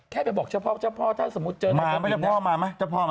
แค่ไปบอกเจ้าพ่อถ้าสมมุติเจอนายทวีน